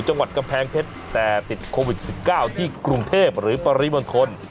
จังหวัดกำแพงเพชรแต่ติดโควิด๑๙ที่กรุงเทพหรือปริมณฑล